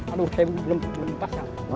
aduh saya belum lupa sekali